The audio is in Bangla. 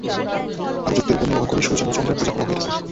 আর যুক্তির উপর নির্ভর করেই সূর্য ও চন্দ্রের পূজা করা হয়ে থাকে।